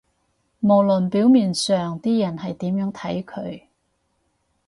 無論表面上啲人係點樣睇佢